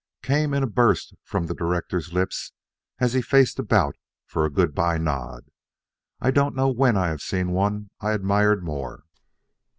came in a burst from the director's lips as he faced about for a good bye nod. "I don't know when I have seen one I admired more."